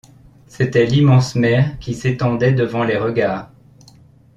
C’était l’immense mer qui s’étendait devant les regards!